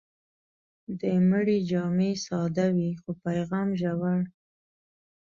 د مړي جامې ساده وي، خو پیغام ژور.